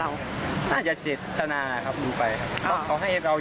เรามั่นใจว่าเขาอยากเก็ตตนานที่จะยัดข้อหาเรา